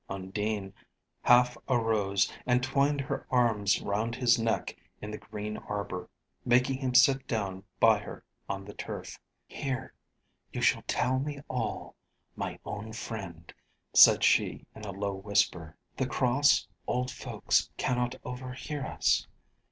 Undine half arose, and twined her arms round his neck in the green arbour, making him sit down by her on the turf. "Here you shall tell me all, my own friend," said she in a low whisper; "the cross old folks cannot overhear us.